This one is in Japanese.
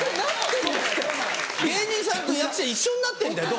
芸人さんと役者一緒になってんだよ